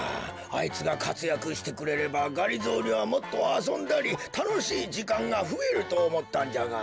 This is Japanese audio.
あいつがかつやくしてくれればがりぞーにはもっとあそんだりたのしいじかんがふえるとおもったんじゃが。